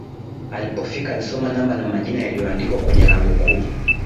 Alipofika alisoma namba na majina yaliyoandikwa kwenye lango kuu